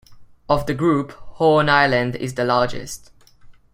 Of the group, Horn Island is the largest.